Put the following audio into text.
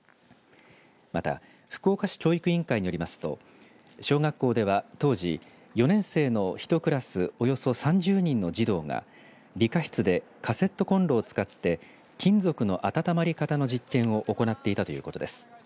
また福岡市教育委員会によりますと小学校では当時小学４年生の１クラスおよそ３０人の児童が理科室でカセットコンロを使って金属の温まり方の実験を行っていたということです。